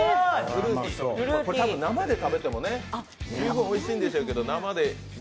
これ、たぶん生で食べても十分おいしいんでしょうけど。